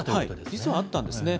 実はあったんですね。